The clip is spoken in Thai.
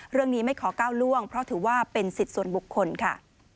ไม่ขอก้าวล่วงเพราะถือว่าเป็นสิทธิ์ส่วนบุคคลค่ะ